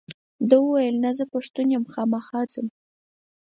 ده وویل نه زه پښتون یم خامخا ځم.